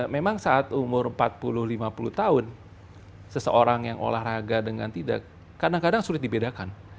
memang saat umur empat puluh lima puluh tahun seseorang yang olahraga dengan tidak kadang kadang sulit dibedakan